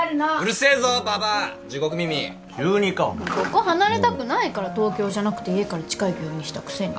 ここ離れたくないから東京じゃなくて家から近い病院にしたくせに。